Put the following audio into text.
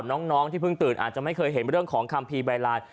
น้องที่เพิ่งตื่นอาจจะไม่เคยเห็นเรื่องของคัมภีร์ใบลาน